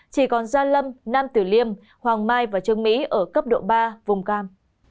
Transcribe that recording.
chỉ còn gia lâm nam tử liêm hoàng mai và trương mỹ ở cấp độ ba vùng cam